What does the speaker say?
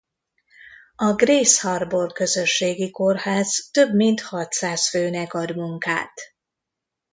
A Grays Harbor Közösségi Kórház több mint hatszáz főnek ad munkát.